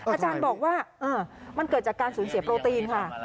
อาจารย์บอกว่ามันเกิดจากการสูญเสียโปรตีนค่ะ